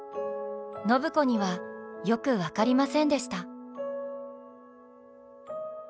暢子にはよく分かりませんでした。